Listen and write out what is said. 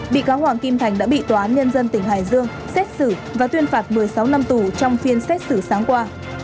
bị cáo hoàng kim thành đã bị tòa án nhân dân tỉnh hải dương xét xử và tuyên phạt một mươi sáu năm tù trong phiên xét xử sáng qua